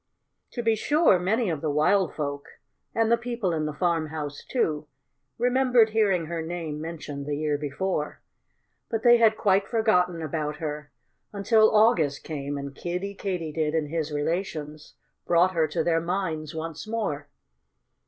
To be sure, many of the wild folk and the people in the farmhouse, too remembered hearing her name mentioned the year before. But they had quite forgotten about her, until August came and Kiddie Katydid and his relations brought her to their minds once more.